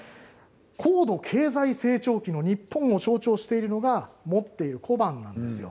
高度経済成長期の日本を象徴しているのが持っている小判なんです。